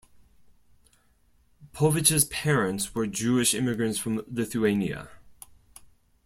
Povich's parents were Jewish immigrants from Lithuania.